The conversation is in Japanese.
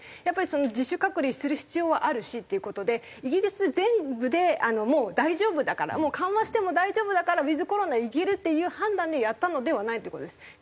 やっぱり自主隔離をする必要はあるしっていう事でイギリス全部でもう大丈夫だからもう緩和しても大丈夫だからウィズコロナいけるっていう判断でやったのではないっていう事です。